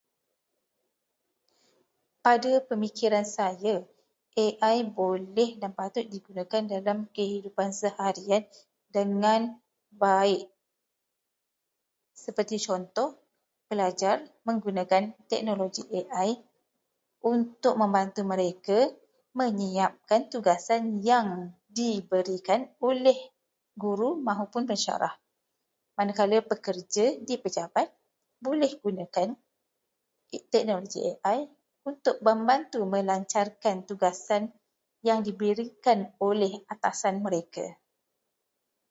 Pada pemikiran saya, AI boleh dan patut digunakan dalam kehidupan seharian dengan baik. Seperti contoh, pelajar menggunakan teknologi AI untuk membantu mereka menyiapkan tugasan yang diberikan oleh guru mahupun pensyarah. Manakala, pekerja di pejabat boleh gunakan teknologi AI untuk membantu melancarkan tugasan yang diberikan oleh atasan mereka.